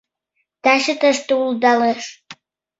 Таче тыште улдалеш